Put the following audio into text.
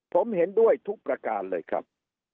ผมเห็นด้วยทุกประการเลยครับ